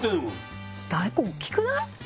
大根大っきくない？